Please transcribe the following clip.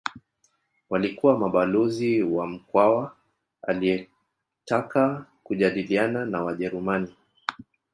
Walikuwa mabalozi wa Mkwawa aliyetaka kujadiliana na Wajerumani